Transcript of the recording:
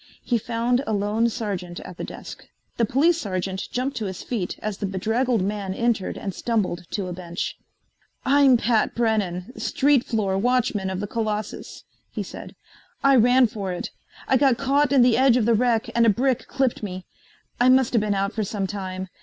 He found a lone sergeant at the desk. The police sergeant jumped to his feet as the bedraggled man entered and stumbled to a bench. "I'm Pat Brennan, street floor watchman of the Colossus," he said. "I ran for it. I got caught in the edge of the wreck and a brick clipped me. I musta been out for some time.